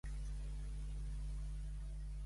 Es van acabar entregant a la saladura?